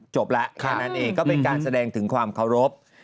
จบแล้วแค่นั้นเองก็เป็นการแสดงถึงความเคารพ